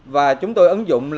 và chúng tôi ứng dụng